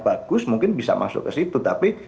bagus mungkin bisa masuk ke situ tapi